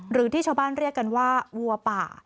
หรือที่ชาวบ้านเรียกกันว่าวัวป่า